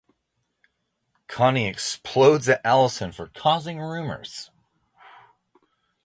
Connie explodes at Allison for causing rumors.